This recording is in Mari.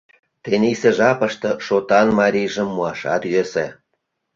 — Тенийсе жапыште шотан марийжым муашат йӧсӧ.